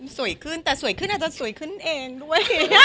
สวยขึ้นแต่สวยขึ้นอาจจะสวยขึ้นเองด้วย